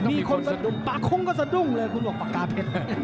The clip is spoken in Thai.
มีคนสะดุดปากคุ้งก็สะดุ้งเลยคุณบอกปากกาเพชร